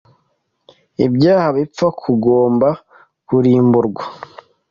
Kubyaha Bipfa Kugomba Kurimburwa